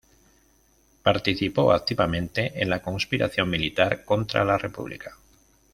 Participó activamente en la conspiración militar contra la República.